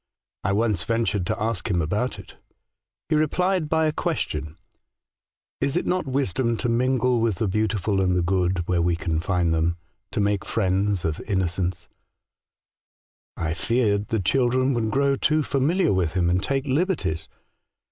I once ventured to ask him about it. He replied by a question : 'Is it not wisdom to mingle with the beautiful and the good, where we can find them — to make friends of innocence ?' A Strange Letter, 4i7 " I feared tlie children would grow too familiar with him, and take liberties.